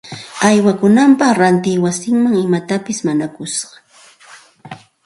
Qipa punchaw qullqi haywaykunapaq ranti wasimanta imapas mañakusqa